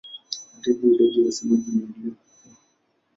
Hata hivyo idadi ya wasemaji inaendelea kukua.